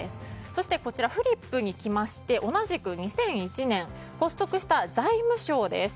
そして、フリップ同じく２００１年発足した財務省です。